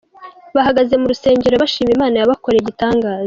Bahagaze mu rusengero bashima Imana yabakoreye igitangaza.